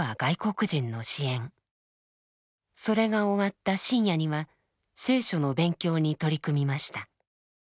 それが終わった深夜には聖書の勉強に取り組みました。